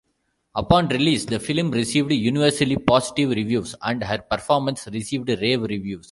Upon release, the film received universally positive reviews, and her performance received rave reviews.